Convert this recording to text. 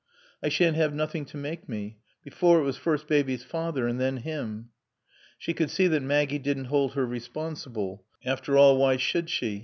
"I shan't 'ave nothing to make me. Before, it was first Baby's father and then 'im." She could see that Maggie didn't hold her responsible. After all, why should she?